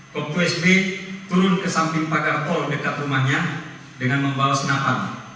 kop dua sb turun ke samping pagar tol dekat rumahnya dengan membawa senapan